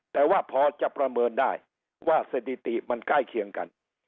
แต่ว่าพอจะประเมินได้ว่าสถิติมันใกล้เคียงกัน